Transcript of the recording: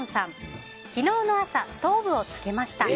昨日の朝、ストーブをつけました。